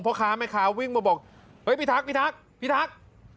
พ่อค้าแม่ค้าวิ่งมาบอกเฮ้ยพี่ทักพี่ทักพี่ทัก